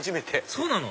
そうなの？